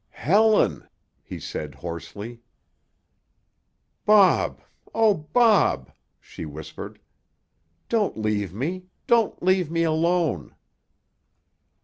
"Helen!" he said hoarsely. "Bob! Oh, Bob!" she whispered. "Don't leave me—don't leave me alone."